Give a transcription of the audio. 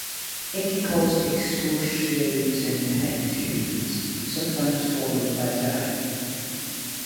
It can cause excruciating pain to humans, sometimes followed by death.